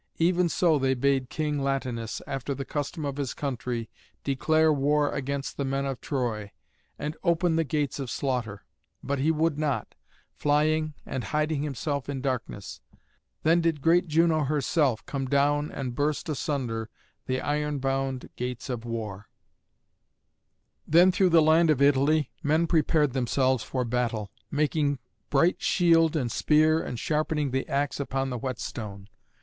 Even so they bade King Latinus, after the custom of his country, declare war against the men of Troy, and open the gates of slaughter; but he would not, flying and hiding himself in darkness. Then did great Juno herself come down and burst asunder the iron bound gates of war. [Illustration: TURNUS OVER THE BODIES OF ALMO AND GALÆSUS.] Then through the land of Italy men prepared themselves for battle, making bright shield and spear and sharpening the axe upon the whetstone.